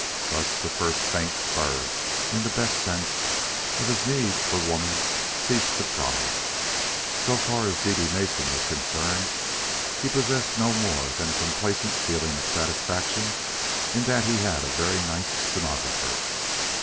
Thus, the first faint spur, in the best sense, of his need for woman ceased to prod. So far as Dede Mason was concerned, he possessed no more than a complacent feeling of satisfaction in that he had a very nice stenographer.